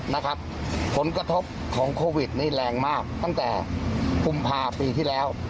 นะครับผลกระทบของโควิดนี่แรงมากตั้งแต่กุมภาปีที่แล้ว